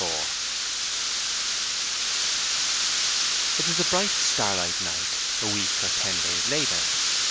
IV It was a bright starlight night, a week or ten days later.